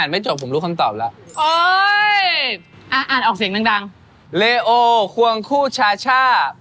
บอกมา๓ตัวเลขโอเคเร็วความความคู่ชะชะ๒